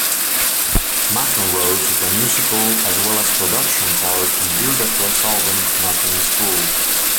Mcenroe took a musical as well as production part Birdapres' album "Nothing is Cool".